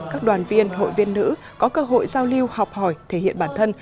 các đoàn viên hội viên nữ có cơ hội giao lưu học hỏi thể hiện bản thân